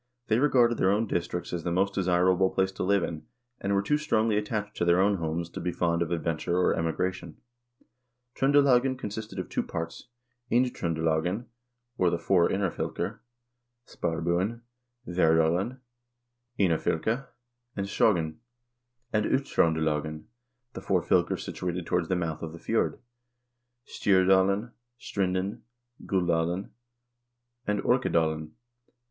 They regarded their own districts as the most desir able place to live in, and were too strongly attached to their own homes to be fond of adventure or emigration.3 Tr0ndelagen con sisted of two parts : Indtr0ndelagen, or the four inner fylker : Spar buen, Vserdalen, Eynafylke, and Skogn ; and Uttr0ndelagen, the four fylker situated towards the mouth of the fjord, Stj0rdalen, Strinden, Guldalen, and Orkedalen.